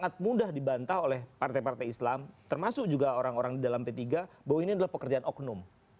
karena itu sudah dibantah oleh partai partai islam termasuk juga orang orang di dalam p tiga bahwa ini adalah pekerjaan oknum